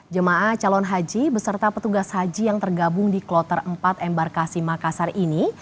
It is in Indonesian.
jemaah calon haji beserta petugas haji yang tergabung di kloter empat embarkasi makassar ini